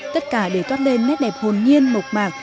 tất cả để toát lên nét đẹp hồn nhiên mộc mạc